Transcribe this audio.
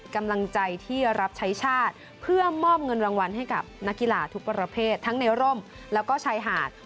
กำลังใจที่รับใช้ชาติเพื่อมอบเงินรางวัลให้กับนักกีฬาทุกประเภททั้งในร่มแล้วก็ชายหาด